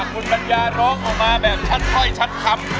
คุณปัญญาร้องออกมาแบบชัดถ้อยชัดคำ